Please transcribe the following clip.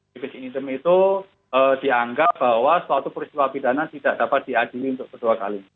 divisi indim itu dianggap bahwa suatu peristiwa pidana tidak dapat diadili untuk kedua kali